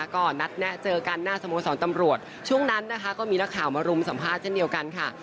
ก็นัดแนะเจอกันหน้าสโมสรตำรวจช่วงนั้นนะคะก็มีนักข่าวมารุมสัมภาษณ์เช่นเดียวกันค่ะ